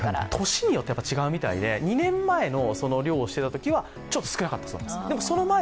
年によって違うみたいで２年前の漁をしていたときはちょっと少なかったそうなんです。